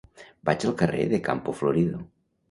Vaig al carrer de Campo Florido.